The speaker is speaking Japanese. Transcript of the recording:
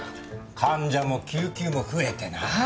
患者も救急も増えてなぁ。